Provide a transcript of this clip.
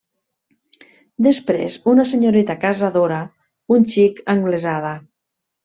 Després una senyoreta casadora, un xic anglesada